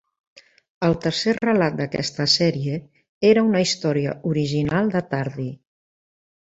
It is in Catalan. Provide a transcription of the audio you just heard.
El tercer relat d'aquesta sèrie era una història original de Tardi.